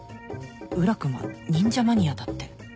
宇良君は忍者マニアだって